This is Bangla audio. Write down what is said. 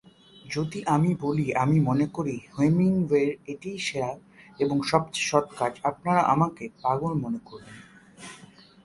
যদি আমি বলি আমি মনে করি হেমিংওয়ের এটাই সেরা এবং সবচেয়ে সৎ কাজ, আপনারা আমাকে পাগল মনে করবেন।